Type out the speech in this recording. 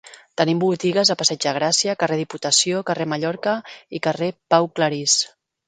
Tenim botigues a Passeig de Gràcia, Carrer Diputació, Carrer Mallorca i Carrer Pau Clarís.